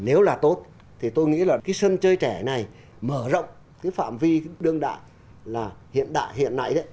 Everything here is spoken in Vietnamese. nếu là tốt thì tôi nghĩ là cái sân chơi trẻ này mở rộng cái phạm vi đương đại là hiện đại hiện nay đấy